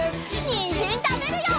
にんじんたべるよ！